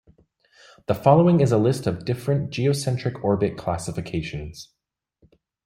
The following is a list of different geocentric orbit classifications.